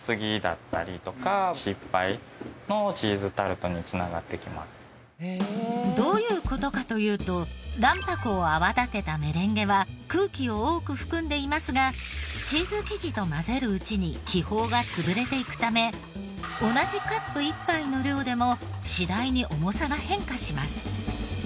理想はやっぱりどういう事かというと卵白を泡立てたメレンゲは空気を多く含んでいますがチーズ生地と混ぜるうちに気泡が潰れていくため同じカップ１杯の量でも次第に重さが変化します。